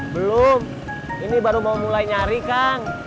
belum ini baru mau mulai nyari kang